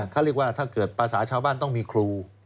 เขาเรียกว่าถ้าเกิดภาษาชาวบ้านต้องมีครู